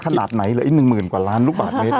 ขนาดไหนหรออีกหนึ่งหมื่นกว่าร้านลูกบาทเมตร